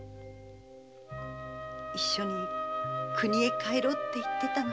一緒に故郷へ帰ろうって言ってたのに。